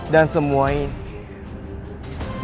dan semua ini